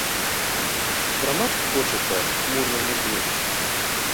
Драмаць хочацца хмурнаму дню.